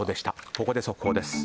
ここで速報です。